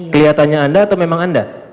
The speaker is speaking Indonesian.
kelihatannya anda atau memang anda